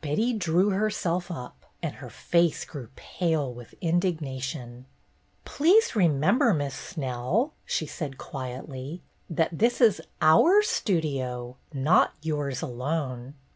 Betty drew herself up, and her face grew pale with indignation. 196 BETTY BAIRD'S GOLDEN YEAR "Please remember, Miss Snell,'' she said quietly, "that this is our studio, not yours alone.